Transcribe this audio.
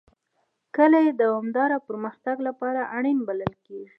کلي د دوامداره پرمختګ لپاره اړین بلل کېږي.